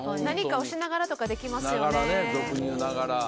何かをしながらとかできますよね。